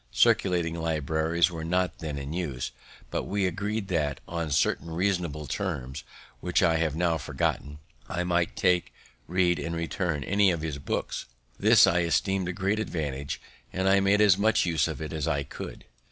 Circulating libraries were not then in use; but we agreed that, on certain reasonable terms, which I have now forgotten, I might take, read, and return any of his books. This I esteem'd a great advantage, and I made as much use of it as I could.